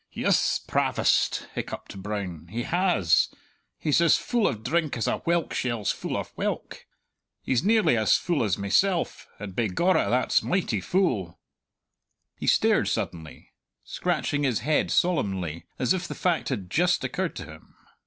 "Yis, Pravast," hiccupped Brown, "he has! He's as phull of drink as a whelk shell's phull of whelk. He's nearly as phull as meself and begorra, that's mighty phull." He stared suddenly, scratching his head solemnly as if the fact had just occurred to him.